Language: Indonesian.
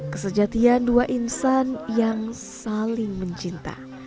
kesejatian dua insan yang saling mencintai